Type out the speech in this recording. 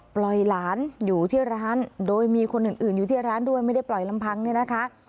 ปล่อยหลานอยู่ที่ร้านโดยมีคนอื่นอยู่ที่ร้านด้วยไม่ได้ปล่อยลำพังเนี่ยนะคะ